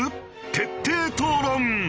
徹底討論！